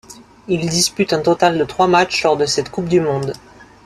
Il dispute un total de trois matchs lors de cette coupe du monde.